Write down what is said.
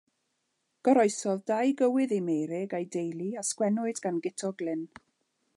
Goroesodd dau gywydd i Meurig a'i deulu a sgwennwyd gan Guto'r Glyn.